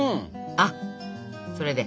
あっそれで。